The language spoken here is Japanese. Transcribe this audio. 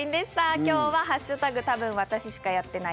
今日は「＃多分私しかやってない」